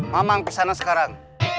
mamang kesana sekarang